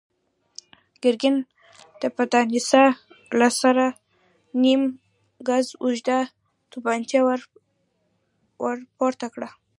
ګرګين د پتناسه له سره نيم ګز اوږده توپانچه ور پورته کړه.